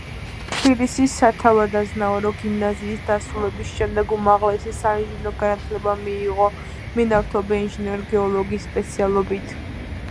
თბილისის სათავადაზნაურო გიმნაზიის დასრულების შემდეგ, უმაღლესი საინჟინრო განათლება მიიღო მენავთობე ინჟინერ–გეოლოგის სპეციალობით.